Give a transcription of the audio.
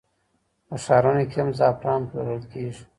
په ښارونو کې هم زعفران پلورل کېږي.